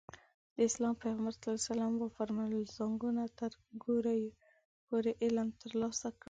د اسلام پيغمبر ص وفرمايل له زانګو نه تر ګوره پورې علم ترلاسه کړئ.